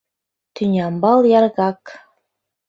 Тӱнямбал яргак!